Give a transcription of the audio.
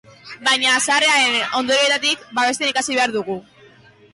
Baina haserrearen ondoriotatik babesten ikasi behar dugu.